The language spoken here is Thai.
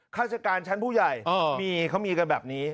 ราชการชั้นผู้ใหญ่มีเขามีกันแบบนี้